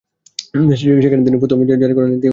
সেখানে তিনি ফতোয়া জারি করার নীতি শিখেছিলেন।